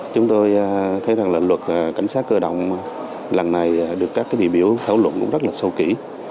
chúng tôi thấy rằng là luật cảnh sát cơ động lần này được các đại biểu thảo luận cũng rất là sâu kỹ